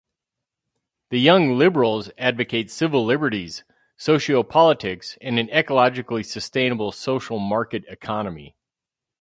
The Young Liberals advocate civil liberties, sociopolitics and an ecologically sustainable social market economy.